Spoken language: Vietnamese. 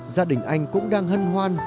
gia đình anh cũng đang hân hoan